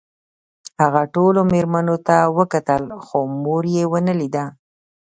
هغه ټولو مېرمنو ته وکتل خو مور یې ونه لیده